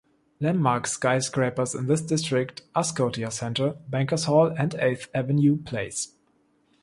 Landmark skyscrapers in this district are Scotia Centre, Bankers Hall, and Eighth Avenue Place.